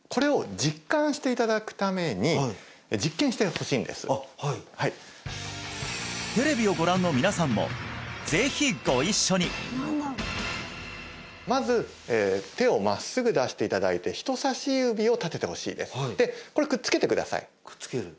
はいまずあっはいはいテレビをご覧の皆さんもぜひご一緒にまず手を真っすぐ出していただいて人さし指を立ててほしいですでこれくっつけてくださいくっつける？